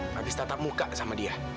habis tatap muka sama dia